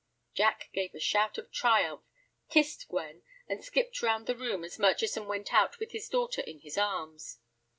Jack gave a shout of triumph, kissed Gwen, and skipped round the room as Murchison went out with his daughter in his arms.